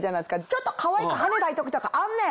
ちょっとかわいくハネたい時とかあんねん。